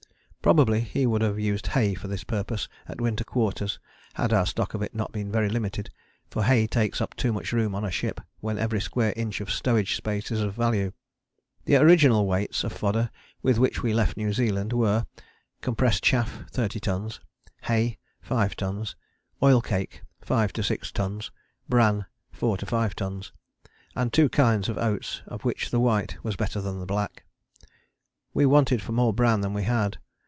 Probably he would have used hay for this purpose at Winter Quarters had our stock of it not been very limited, for hay takes up too much room on a ship when every square inch of stowage space is of value. The original weights of fodder with which we left New Zealand were: compressed chaff, 30 tons; hay, 5 tons; oil cake, 5 6 tons; bran, 4 5 tons; and two kinds of oats, of which the white was better than the black. We wanted more bran than we had.